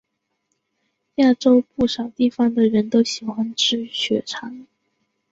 亚洲不少地方的人都喜欢吃血肠。